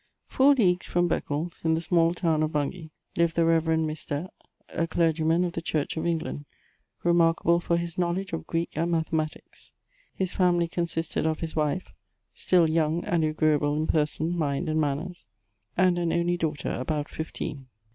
FouB leagues firom Beccles, in the small town of Bong^j, lived the Rev. Mr. , a dergyman of the Church of Hug* land, remarkable for his knowledge of Greek and mathematics. His family consisted of his wife, still joung and agreeable in person, mmd, and manners, and an only daughter, about fifibeen.